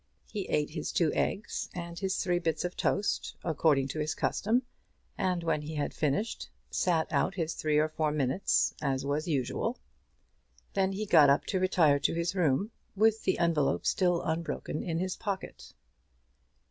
He ate his two eggs and his three bits of toast, according to his custom, and when he had finished, sat out his three or four minutes as was usual. Then he got up to retire to his room, with the envelope still unbroken in his pocket.